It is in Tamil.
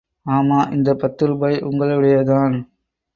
ஆமா இந்த பத்து ரூபாய் உங்களுடையதுதான்.